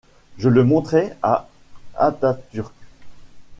Je le montrai à Atatürk.